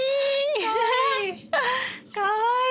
かわいい！